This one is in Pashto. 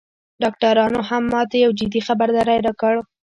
ډاکترانو هم ماته یو جدي خبرداری راکړ